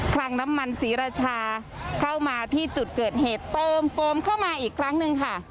คลังน้ำมันศรีราชาเข้ามาที่จุดเกิดเหตุเติมโฟมเข้ามาอีกครั้งหนึ่งค่ะ